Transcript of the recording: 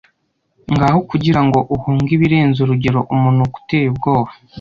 Ngaho kugirango uhunge birenze urugero umunuko uteye ubwoba